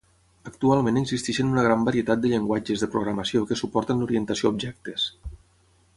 Actualment existeixen una gran varietat de llenguatges de programació que suporten l'orientació a objectes.